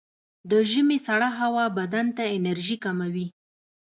د ژمي سړه هوا بدن ته انرژي کموي.